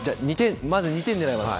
まず２点狙います。